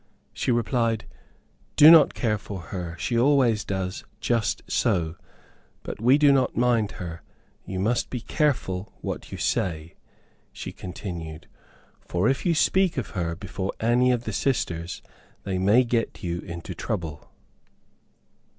She replied, "do not care for her; she always does just so, but we do not mind her; you must be careful what you say," she continued, "for if you speak of her before any of the sisters, they may get you into trouble."